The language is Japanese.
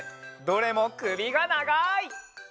どれもくびがながい！